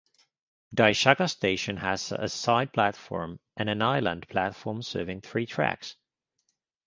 Daishaka Station has a side platform and an island platform serving three tracks.